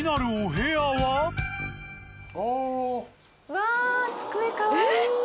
わあ机かわいい。